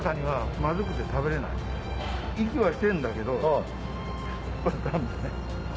息はしてるんだけどこれはダメだね。